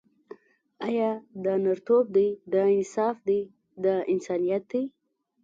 آیا دا نرتوب دی، دا انصاف دی، دا انسانیت دی.